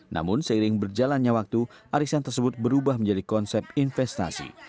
namun seiring berjalannya waktu arisan tersebut berubah menjadi konsep investasi